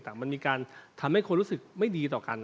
แต่มันมีการทำให้คนรู้สึกไม่ดีต่อกัน